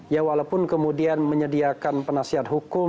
ya walaupun kemudian menyediakan penasihat hukum